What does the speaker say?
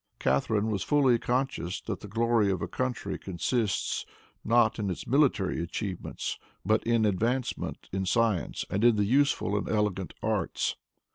Catharine was fully conscious that the glory of a country consists, not in its military achievements, but in advancement in science and in the useful and elegant arts.